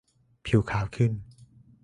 ผิวขาวขึ้น